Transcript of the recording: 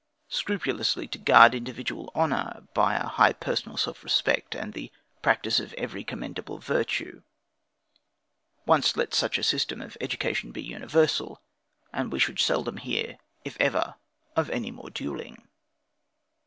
Scrupulously to guard individual honor, by a high personal self respect, and the practice of every commendable virtue. Once let such a system of education be universal, and we should seldom hear, if ever, of any more duelling.